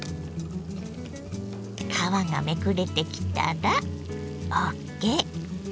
皮がめくれてきたらＯＫ！